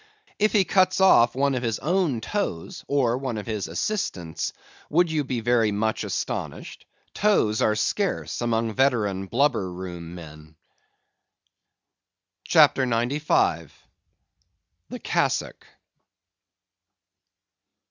If he cuts off one of his own toes, or one of his assistants', would you be very much astonished? Toes are scarce among veteran blubber room men. CHAPTER 95. The Cassock.